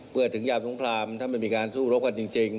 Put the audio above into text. ถึงยามสงครามถ้ามันมีการสู้รบกันจริง